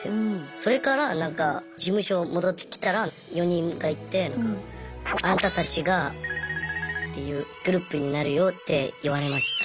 それからなんか事務所戻ってきたら４人がいて「あんたたちがっていうグループになるよ」って言われました。